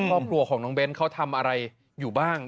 ครอบครัวของน้องเบ้นเขาทำอะไรอยู่บ้าง